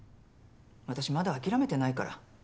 私まだ諦めてないから。